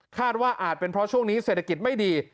ว่าอาจเป็นเพราะช่วงนี้เศรษฐกิจไม่ดี